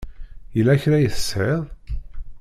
Yella kra i teshiḍ?